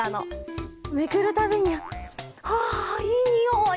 めくるたびに「はあいいにおい！」